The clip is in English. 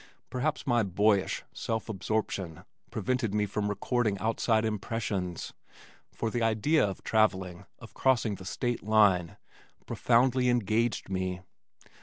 Perhaps my boyish self absorption prevented me from recording outside impressions, for the idea of travelling, of crossing the State line, profoundly engaged me.